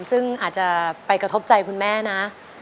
ซึ่งอาจจะไปกระทบใจคุณแม่นะ